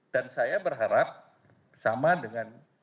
dan saya berharap sama dengan